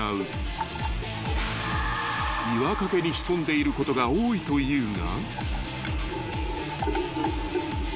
［岩陰に潜んでいることが多いというが］